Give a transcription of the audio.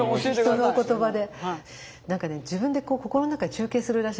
人のお言葉で。